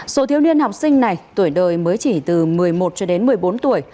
số thiếu niên học sinh này tuổi đời mới chỉ từ một mươi một một mươi bốn tuổi